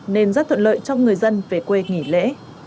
nên rất thuận lợi cho người dân về quê nghỉ lễ